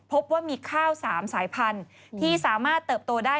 พบว่ามีข้าว๓สายพันธุ์ที่สามารถเติบโตได้